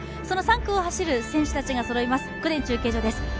その３区を走ります選手たちがそろいます公田中継所です。